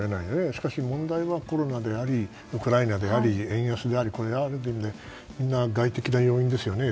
しかし問題はコロナでありウクライナであり円安でありの外的要因ですよね。